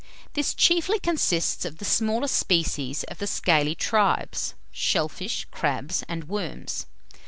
This chiefly consists of the smaller species of the scaly tribes, shell fish, crabs, and worms.